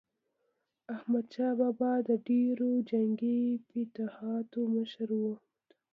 احمدشاه بابا د ډیرو جنګي فتوحاتو مشر و.